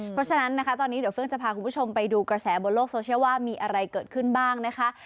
เพราะฉะนั้นนะคะตอนนี้เดี๋ยวเฟื้องจะพาคุณผู้ชมไปดูกระแสบนโลกโซเชียลว่ามีอะไรเกิดขึ้นบ้างนะคะ